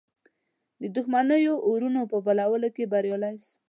دښمنیو اورونو په بلولو کې بریالی سو.